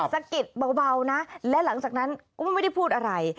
สะกิดเบานะและหลังจากนั้นก็ไม่ได้พูดอะไร